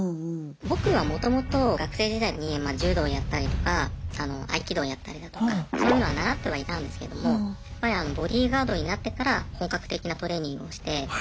僕はもともと学生時代にまあ柔道やったりとか合気道やったりだとかそういうのは習ってはいたんですけどもやっぱりボディーガードになってから本格的なトレーニングをして。